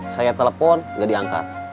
saya telpon gak diangkat